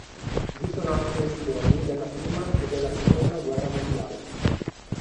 Vi sono anche uniformi della prima e della seconda guerra mondiale.